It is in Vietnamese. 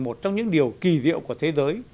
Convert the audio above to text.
một trong những điều kỳ diệu của thế giới